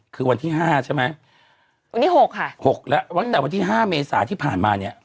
คือวันที่ห้าใช่ไหมวันที่หกค่ะหกแล้วตั้งแต่วันที่ห้าเมษาที่ผ่านมาเนี่ย